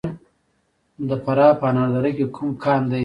د فراه په انار دره کې کوم کان دی؟